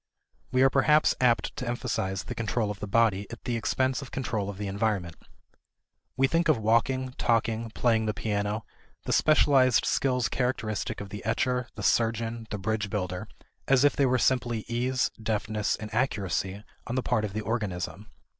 We are perhaps apt to emphasize the control of the body at the expense of control of the environment. We think of walking, talking, playing the piano, the specialized skills characteristic of the etcher, the surgeon, the bridge builder, as if they were simply ease, deftness, and accuracy on the part of the organism.